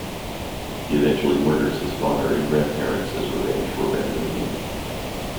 He eventually murders his father and grandparents as revenge for abandoning him.